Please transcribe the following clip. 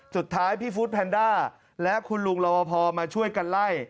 สุดท้ายพี่ฟู้ดแพนด้าและคุณลุงรวพอมาช่วยกันไล่